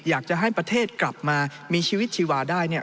อยากจะให้ประเทศกลับมามีชีวิตชีวาได้เนี่ย